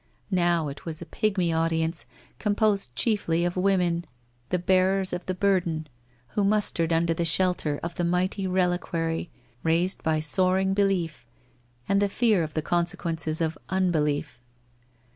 Now it was a pigmy audience composed chiefly of women the 280 WHITE ROSE OF WEARY LEAF bearers of the burden, who mustered under the shelter of the mighty reliquary raised by soaring belief, and the fear of the consequences of unbelief.